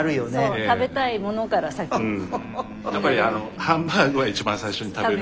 ・やっぱりハンバーグは一番最初に食べる。